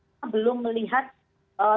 kita belum melihat tampilan